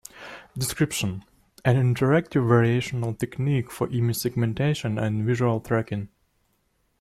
Description: An interactive variational technique for image segmentation and visual tracking.